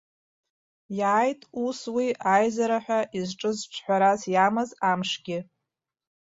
Иааит ус уи аизара ҳәа изҿыз ҿҳәарас иамаз амшгьы.